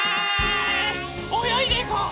およいでいこう！